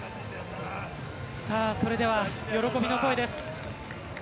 それでは喜びの声です。